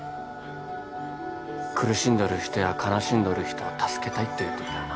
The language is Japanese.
苦しんどる人や悲しんどる人を助けたいって言っとったよな